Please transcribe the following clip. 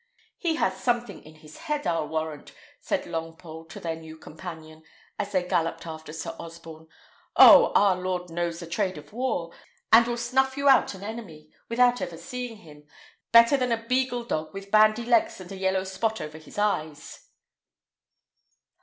"He has something in his head, I'll warrant," said Longpole to their new companion, as they galloped after Sir Osborne. "Oh! our lord knows the trade of war, and will snuff you out an enemy, without ever seeing him, better than a beagle dog with bandy legs and a yellow spot over his eyes."